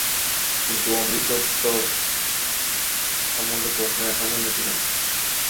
কিন্তু অমৃতত্ব সম্বন্ধে প্রশ্ন এখানেও মিটিল না।